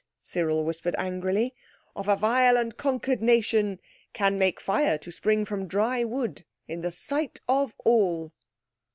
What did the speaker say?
Cyril whispered angrily. "... of a vile and conquered nation, can make fire to spring from dry wood—in the sight of all."